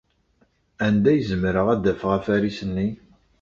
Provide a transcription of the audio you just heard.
Anda ay zemreɣ ad d-afeɣ afaris-nni?